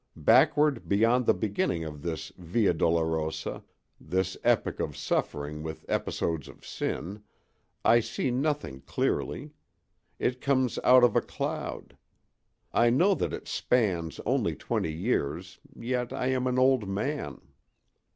Backward beyond the beginning of this via dolorosa—this epic of suffering with episodes of sin—I see nothing clearly; it comes out of a cloud. I know that it spans only twenty years, yet I am an old man.